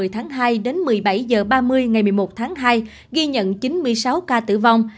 một mươi tháng hai đến một mươi bảy h ba mươi ngày một mươi một tháng hai ghi nhận chín mươi sáu ca tử vong